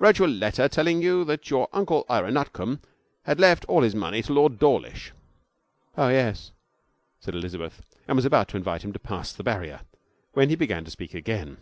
Wrote you a letter telling you that your Uncle Ira Nutcombe had left all his money to Lord Dawlish.' 'Oh, yes,' said Elizabeth, and was about to invite him to pass the barrier, when he began to speak again.